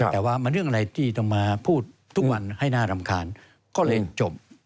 แต่ว่ามันเรื่องอะไรที่ต้องมาพูดทุกวันให้น่ารำคาญก็เลยจบ